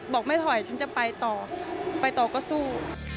บอกไม่ถอยฉันจะไปต่อไปต่อก็สู้